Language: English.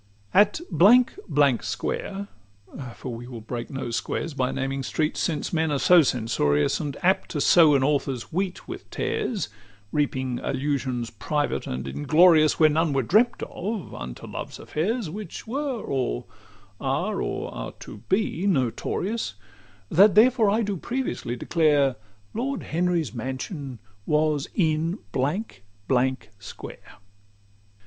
XXV At Blank Blank Square; for we will break no squares By naming streets: since men are so censorious, And apt to sow an author's wheat with tares, Reaping allusions private and inglorious, Where none were dreamt of, unto love's affairs, Which were, or are, or are to be notorious, That therefore do I previously declare, Lord Henry's mansion was in Blank Blank Square.